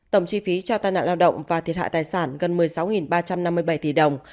tổng chi phí cho tai nạn lao động và thiệt hại tài sản gần một mươi sáu ba trăm năm mươi